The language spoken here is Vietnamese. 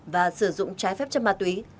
và sử dụng trái phép chất ma túy